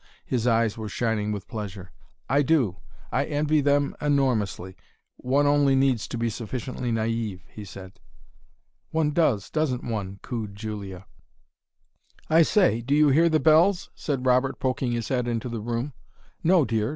His eyes were shining with pleasure. "I do. I envy them enormously. One only needs to be sufficiently naive," he said. "One does, doesn't one!" cooed Julia. "I say, do you hear the bells?" said Robert, poking his head into the room. "No, dear!